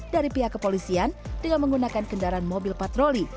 dari pihak kepolisian dengan menggunakan kendaraan mobil patroli